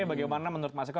bagaimana menurut mas eko